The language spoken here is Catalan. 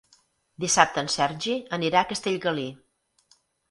Dissabte en Sergi anirà a Castellgalí.